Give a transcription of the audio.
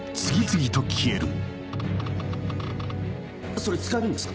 それ使えるんですか？